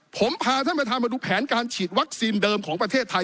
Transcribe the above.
ผมพาท่านประธานมาดูแผนการฉีดวัคซีนเดิมของประเทศไทย